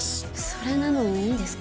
それなのにいいんですか？